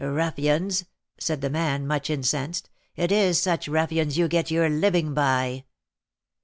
"Ruffians!" said the man, much incensed; "it is such ruffians you get your living by."